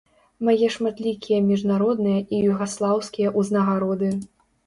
Мае шматлікія міжнародныя і югаслаўскія ўзнагароды.